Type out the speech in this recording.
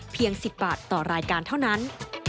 ๑๐บาทต่อรายการเท่านั้น